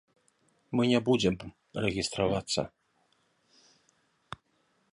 Мы не будзем рэгістравацца.